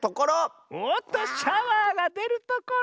おっとシャワーがでるところ。